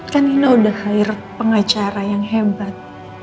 kan nino udah hire pengacara yang hebat